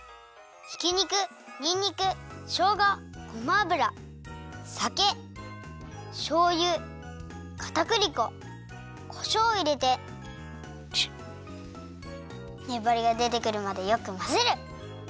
ひき肉にんにくしょうがごま油さけしょうゆかたくり粉こしょうをいれてねばりがでてくるまでよくまぜる！